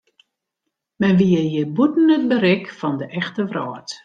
Men wie hjir bûten it berik fan de echte wrâld.